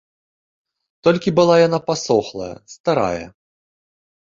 Толькі была яна пасохлая, старая.